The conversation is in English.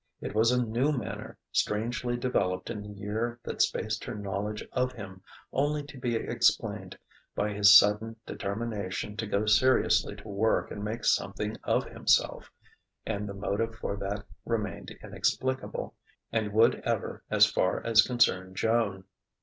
It was a new manner, strangely developed in the year that spaced her knowledge of him, only to be explained by his sudden determination to go seriously to work and make something of himself; and the motive for that remained inexplicable, and would ever as far as concerned Joan.